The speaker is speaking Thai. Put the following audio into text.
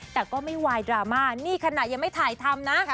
แต่ก็ไม่วายดราม่านี่ขณะยังไม่ถ่ายทำนะ